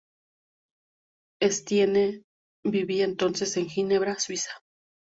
Estienne vivía entonces en Ginebra, en Suiza.